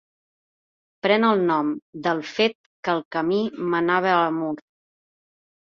Pren el nom del fet que el camí menava a Mur.